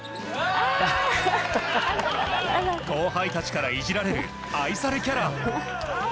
後輩たちからいじられる愛されキャラ。